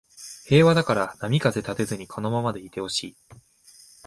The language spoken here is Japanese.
平和だから波風立てずにこのままでいてほしい